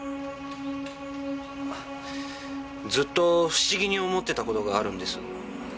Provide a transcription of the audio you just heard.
ずっと不思議に思ってた事があるんです。